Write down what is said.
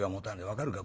分かるか？